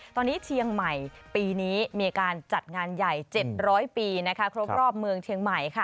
ตอนนี้เชียงใหม่ปีนี้มีการจัดงานใหญ่๗๐๐ปีครบรอบเมืองเชียงใหม่ค่ะ